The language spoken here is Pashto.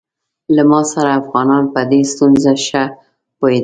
له ما سره افغانان په دې ستونزه ښه پوهېدل.